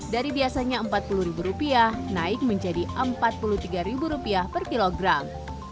dari biasanya rp empat puluh naik menjadi rp empat puluh tiga per kilogram